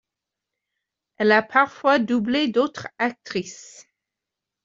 Elle a parfois doublé d'autres actrices.